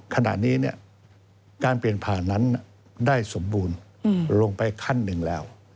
ขณะนี้การเปลี่ยนผ่านนั้นได้สมบูรณ์ลงไปขั้นหนึ่งแล้ว